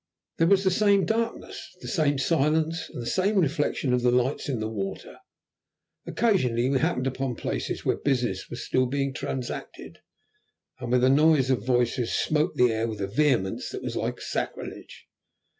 There was the same darkness, the same silence, and the same reflection of the lights in the water. Occasionally we happened upon places where business was still being transacted, and where the noise of voices smote the air with a vehemence that was like sacrilege.